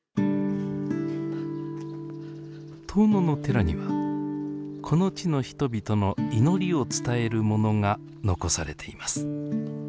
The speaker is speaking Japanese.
遠野の寺にはこの地の人々の祈りを伝えるものが残されています。